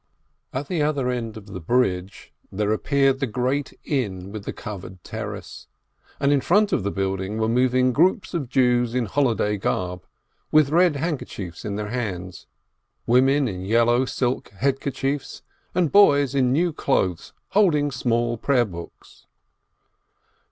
At the other end of the bridge there appeared the great inn with the covered terrace, and in front of the building were moving groups of Jews in holiday garb, with red handkerchiefs in their hands, women in yellow silk head kerchiefs, and boys in new clothes hold ing small prayer books.